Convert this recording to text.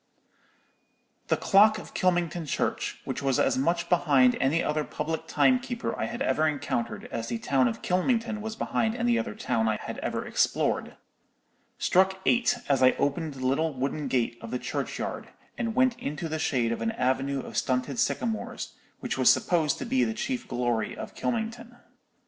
"The clock of Kylmington church, which was as much behind any other public timekeeper I had ever encountered as the town of Kylmington was behind any other town I had ever explored, struck eight as I opened the little wooden gate of the churchyard, and went into the shade of an avenue of stunted sycamores, which was supposed to be the chief glory of Kylmington.